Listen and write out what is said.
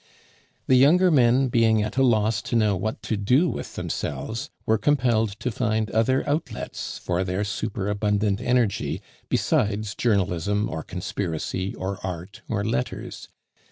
The younger men, being at a loss to know what to do with themselves, were compelled to find other outlets for their superabundant energy besides journalism, or conspiracy, or art, or letters.